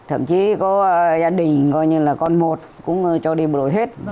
thậm chí có gia đình coi như là con một cũng cho đi bộ đội hết